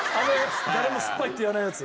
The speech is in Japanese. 誰も酸っぱいって言わないやつ。